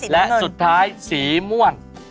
เลี้ยง